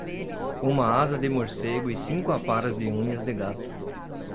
uma asa de morcego e cinco aparas de unhas de gato.